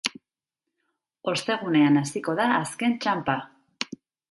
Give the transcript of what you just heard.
Ostegunean hasiko da azken txanpa.